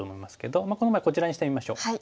この場合こちらにしてみましょう。